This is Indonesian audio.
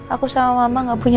aku sama mama gak punya